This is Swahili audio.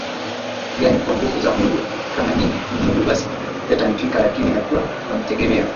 gani kwa nguvu za Mungu Kama nyinyi ni Mungu basi yatanifika Lakini najua namtegemea